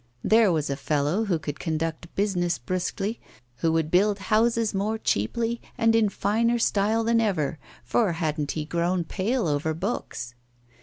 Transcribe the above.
There was a fellow who would conduct business briskly, who would build houses more cheaply and in finer style than ever, for hadn't he grown pale over books?